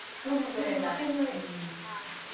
巻けない。